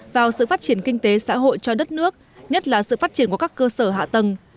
vào sự phát triển kinh tế xã hội cho đất nước nhất là sự phát triển của các cơ sở hạ tầng